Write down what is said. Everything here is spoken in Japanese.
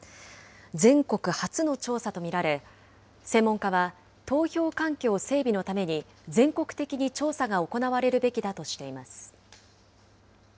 全国初の調査と見られ、専門家は投票環境整備のために、全国的に調査が行われるべきだとしています。